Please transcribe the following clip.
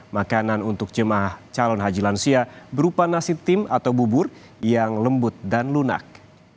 makanan untuk jemaah calon haji lansia berupa nasi tim atau bubur yang lembut dan lunak